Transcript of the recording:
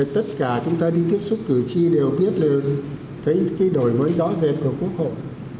tất cả chúng ta đi tiếp xúc cử tri đều biết là thấy cái đổi mới rõ rệt của quốc hội